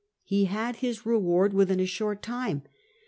He had his reward within a short time.